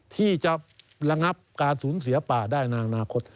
ที่จะระงับการสูญเสียป่าได้ในอนาคต